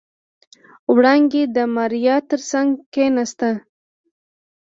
وړانګې د ماريا تر څنګ کېناسته.